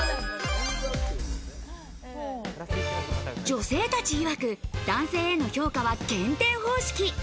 女性たちいわく、男性への評価は減点方式。